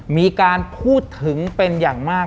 มีการพูดถึงเป็นอย่างมาก